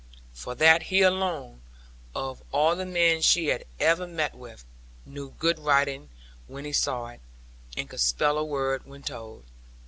For that he alone, of all the men she had ever met with, knew good writing when he saw it, and could spell a word when told.